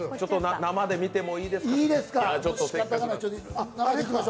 生で見てもいいですか？